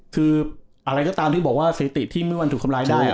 คืออะไรก็ตามที่บอกว่าสถิติที่เมื่อวันถูกทำร้ายได้